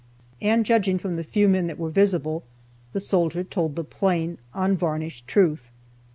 And, judging from the few men that were visible, the soldier told the plain, unvarnished truth.